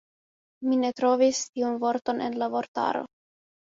Mi ne trovis tiun vorton en la vortaro.